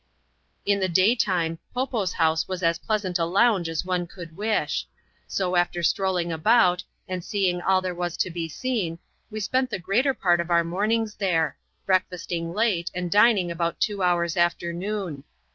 In the daytime, Po Po's house was as pleasant a lounge aa one could wish. So, after strolling about, and seeing all there was to be seen, we spent the greater part of our mornings there ; breakfasting late, and dining about two hours after noon.